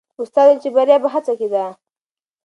استاد وویل چې بریا په هڅه کې ده.